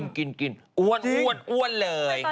แล้วก็กินอ้วนเลย